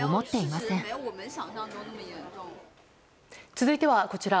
続いては、こちら。